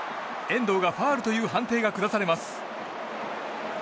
遠藤がファウルという判定が下されます。